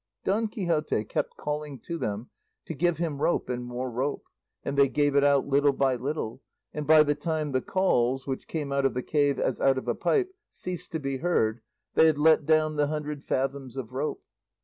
Don Quixote kept calling to them to give him rope and more rope, and they gave it out little by little, and by the time the calls, which came out of the cave as out of a pipe, ceased to be heard they had let down the hundred fathoms of rope.